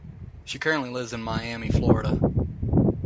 She currently lives in Miami, Florida.